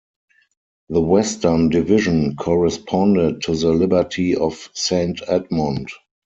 The western division corresponded to the Liberty of Saint Edmund.